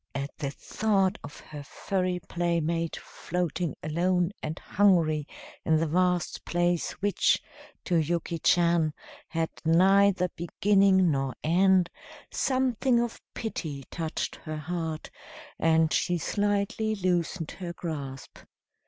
At the thought of her furry playmate floating alone and hungry in the vast place which, to Yuki Chan, had neither beginning nor end, something of pity touched her heart, and she slightly loosened her grasp.